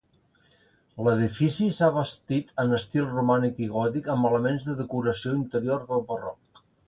L'edifici s'ha bastit en estil romànic i gòtic amb elements de decoració interior del barroc.